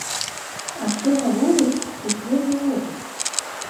А што гаворыць сусветны вопыт?